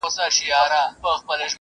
زموږ زراعتي محصولات باید صادر سي.